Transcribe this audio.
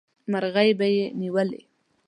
مرغۍ به یې نیولې.